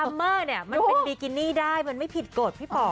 เมอร์เนี่ยมันเป็นบิกินี่ได้มันไม่ผิดกฎพี่ป๋อ